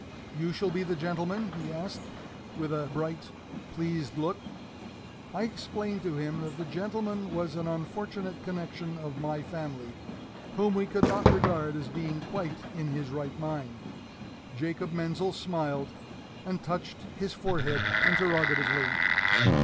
"You shall be the gentleman?" he asked, with a bright, pleased look. I explained to him that the gentleman was an unfortunate connection of my family, whom we could not regard as being quite in his right mind. Jacob Menzel smiled, and touched his forehead interrogatively.